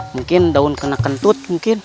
mungkin daun kena kentut